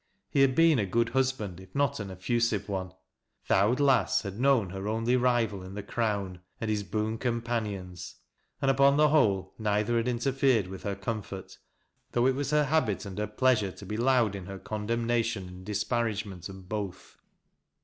He had been a good husband, if not an effusive one. " Th' ovjZ. lass " had known her only rival in The Crown and his boon companions ; and upon the whole, neither had interfered TS'ith her comfort, though it was her habit and her pleas ure to be loud in her condemnation and disparagement of both.